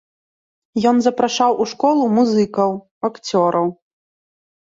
Ён запрашаў у школу музыкаў, акцёраў.